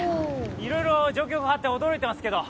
いろいろ状況が変わって、驚いてますけど。